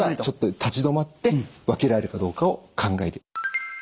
ちょっと立ち止まって分けられるかどうかを考える。